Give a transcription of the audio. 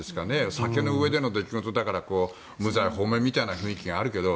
酒のうえでの出来事だから無罪放免みたいな雰囲気があるけど